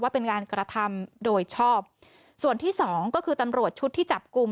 เป็นการกระทำโดยชอบส่วนที่สองก็คือตำรวจชุดที่จับกลุ่ม